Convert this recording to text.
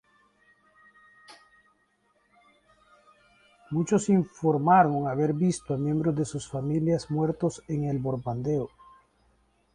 Muchos informaron haber visto a miembros de sus familias muertos en el bombardeo...